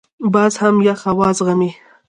باز هم یخ هوا زغمي